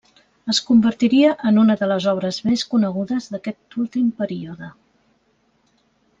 Es convertiria en una de les obres més conegudes d'aquest últim període.